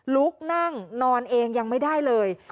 ลุกนั่งนอนเองยังไม่ได้เลย